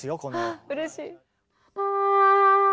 わあうれしい。